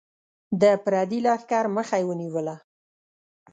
د پردي لښکر مخه یې ونیوله.